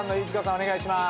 お願いします。